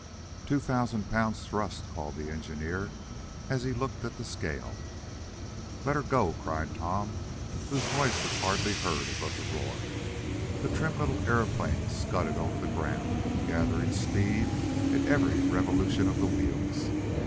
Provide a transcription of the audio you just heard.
"Two thousand pounds thrust!" called the engineer, as he looked at the scale. "Let her go!" cried Tom, whose voice was hardly heard above the roar. The trim little aeroplane scudded over the ground, gathering speed at every revolution of the wheels.